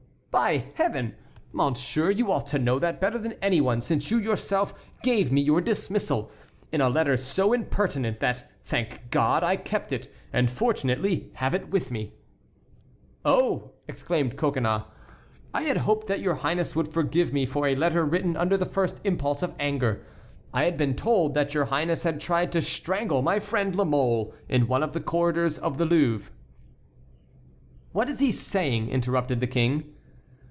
"By Heaven! monsieur, you ought to know that better than any one, since you yourself gave me your dismissal, in a letter so impertinent that, thank God, I kept it, and fortunately have it with me." "Oh!" exclaimed Coconnas, "I had hoped that your highness would forgive me for a letter written under the first impulse of anger. I had been told that your highness had tried to strangle my friend La Mole in one of the corridors of the Louvre." "What is he saying?" interrupted the King.